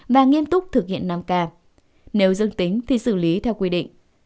và nghiêm túc thực hiện năm k nếu dương tính thì xử lý theo quy định